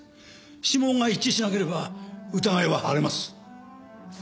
指紋が一致しなければ疑いは晴れます。